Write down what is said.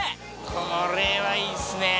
これはいいっすね！